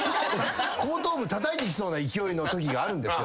後頭部たたいてきそうな勢いのときがあるんですよ。